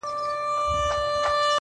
د لېوه له خولې به ولاړ سمه قصاب ته؛